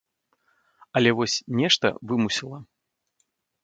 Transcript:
Але вось нешта вымусіла.